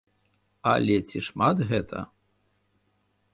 Але ці шмат гэта?